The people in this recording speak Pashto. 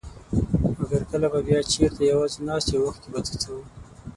مګر کله به بيا چېرته يوازي ناست يو او اوښکي به څڅوو.